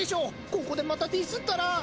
ここでまたディスったら！